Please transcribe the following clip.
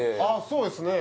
そうですね